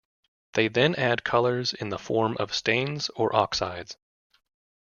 They then add colors in the form of stains or oxides.